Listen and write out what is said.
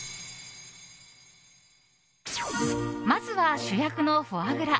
まずは主役のフォアグラ。